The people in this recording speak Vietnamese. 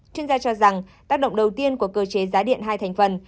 chuyên gia cho rằng tác động đầu tiên của cơ chế giá điện hai thành phần